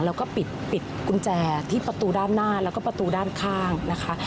แล้วก็ปิดกุญแจที่ประตูด้านหน้าแล้วก็ประตูด้านข้างนะคะ